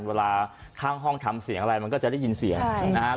เวลาข้างห้องทำเสียงอะไรมันก็จะได้ยินเสียงนะครับ